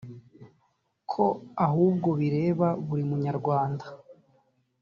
ko ahubwo bireba buri munyarwanda